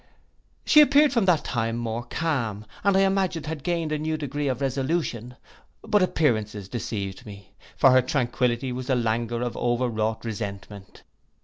She appeared from that time more calm, and I imagined had gained a new degree of resolution; but appearances deceived me; for her tranquility was the langour of over wrought resentment.